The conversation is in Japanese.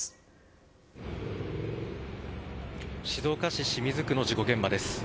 静岡市清水区の事故現場です。